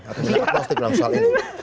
atau dia agnostik dalam soal ini